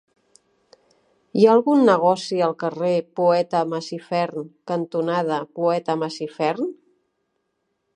Hi ha algun negoci al carrer Poeta Masifern cantonada Poeta Masifern?